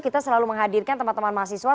kita selalu menghadirkan teman teman mahasiswa